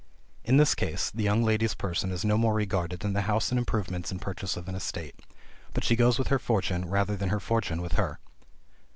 In this case the young lady's person is no more regarded than the house and improvements in purchase of an estate; but she goes with her fortune, rather than her fortune with her.